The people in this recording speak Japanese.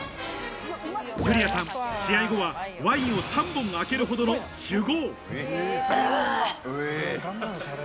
ジュリアさん試合後はワインを３本空けるほどの酒豪